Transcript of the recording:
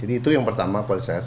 jadi itu yang pertama kualitas airnya